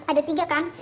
ada tiga kan